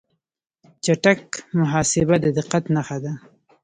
چټک محاسبه د دقت نښه ده.